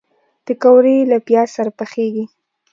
پکورې له پیاز سره پخېږي